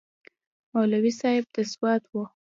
مولوي صاحب د سوات و.